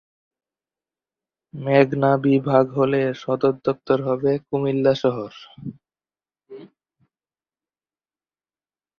মেঘনা বিভাগ হলে এর সদরদপ্তর হবে কুমিল্লা শহর।